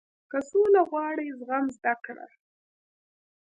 • که سوله غواړې، زغم زده کړه.